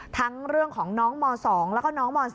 ทั้งเรื่องของน้องม๒และน้องม๔